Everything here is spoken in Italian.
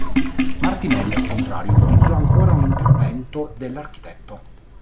Martinelli, al contrario, ipotizzò ancora un intervento dell'architetto.